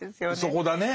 そこだね。